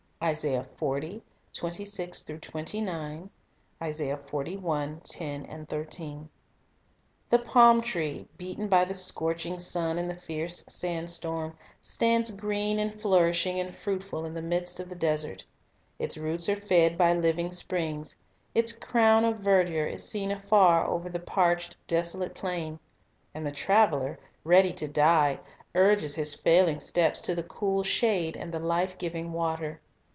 1 The Palm Tree The palm tree, beaten by the scorching sun and the fierce sand storm, stands green and flourishing and fruitful in the midst of the desert. Its roots are fed by living springs. Its crown of verdure is seen afar over the parched, desolate plain ; and the traveler, ready to die, urges his failing steps to the cool shade and the life giving water.